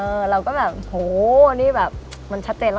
เราก็แบบโหนี่แบบมันชัดเจนแล้ว